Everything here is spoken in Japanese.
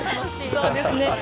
そうですね。